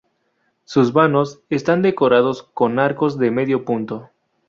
Sus vanos, están decorados con arcos de medio punto.